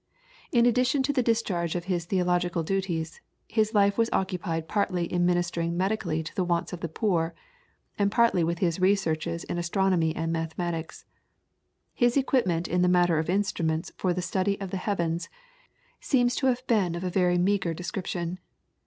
In addition to the discharge of his theological duties, his life was occupied partly in ministering medically to the wants of the poor, and partly with his researches in astronomy and mathematics. His equipment in the matter of instruments for the study of the heavens seems to have been of a very meagre description.